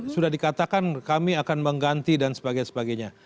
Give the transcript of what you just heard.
sudah dikatakan kami akan mengganti dan sebagainya